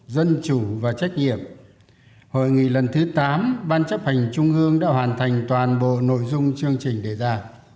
dân chủ và trách nhiệm hội nghị lần thứ tám ban chấp hành trung ương đã hoàn thành toàn bộ nội dung chương trình đề ra